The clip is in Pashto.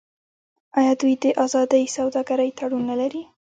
آیا دوی د ازادې سوداګرۍ تړون نلري؟